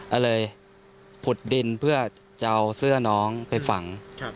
ก็เลยผุดดินเพื่อจะเอาเสื้อน้องไปฝัง